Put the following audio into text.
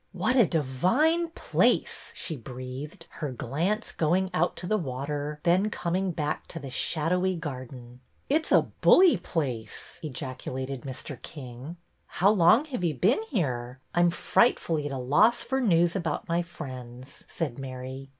What a divine place !'' she breathed, her glance going out to the water, then coming back to the shadowy garden. It ^s a bully place! '' ejaculated Mr. King. How long have you been here? I am fright fully at a loss for news about my friends,'' said Mary.